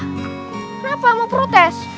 kenapa mau protes